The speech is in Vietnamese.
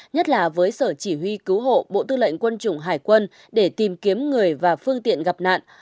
nhất là với sở chỉ huy cứu hộ bộ tư lệnh quân chủng hải quân để tìm kiếm người và phương tiện gặp nạn